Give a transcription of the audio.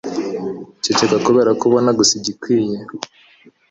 Ceceka kubera ko ubona gusa igikwiye